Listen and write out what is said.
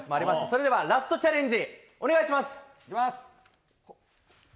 それではラストチャレンジ、いきます。